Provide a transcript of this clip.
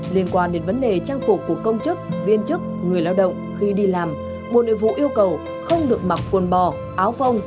liên quan đến vấn đề trang phục của công chức viên chức người lao động khi đi làm bộ nội vụ yêu cầu không được mặc quần bò áo phong